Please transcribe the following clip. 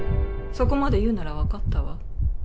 そこまで言うならわかったわ。